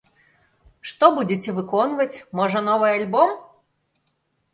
Што будзеце выконваць, можа, новы альбом?